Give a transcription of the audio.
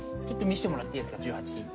ちょっと見せてもらっていいですか？